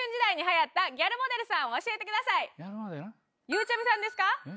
ゆうちゃみさんですか？